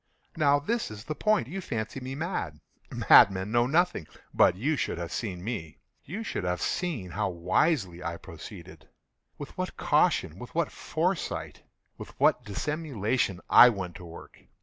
Now this is the point. You fancy me mad. Madmen know nothing. But you should have seen me. You should have seen how wisely I proceeded—with what caution—with what foresight—with what dissimulation I went to work!